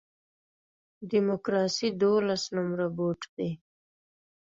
ډیموکراسي دولس نمره بوټ دی.